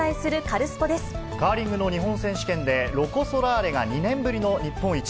カーリングの日本選手権で、ロコ・ソラーレが２年ぶりの日本一。